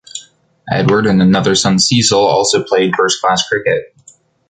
Edward and another son Cecil also played first class cricket.